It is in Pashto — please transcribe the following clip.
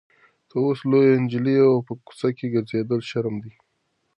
ته اوس لویه نجلۍ یې او په کوڅه کې ګرځېدل شرم دی.